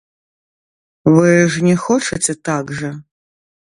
Вы ж не хочаце так жа?